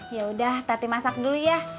yaudah tati masak dulu ya